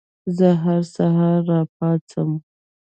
زه هر سهار راپاڅم.